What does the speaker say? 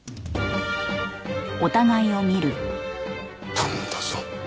頼んだぞ